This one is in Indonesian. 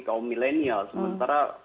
kaum milenial sementara